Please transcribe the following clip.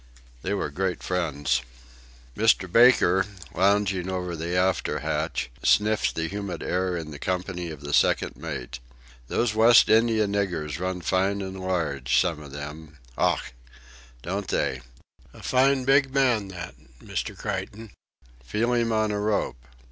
They were great friends. Mr. Baker, lounging over the after hatch, sniffed the humid night in the company of the second mate. "Those West India niggers run fine and large some of them... Ough!... Don't they? A fine, big man that, Mr. Creighton. Feel him on a rope.